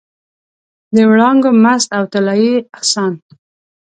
د وړانګو مست او طلايي اسان